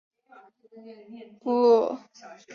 不得再设置障碍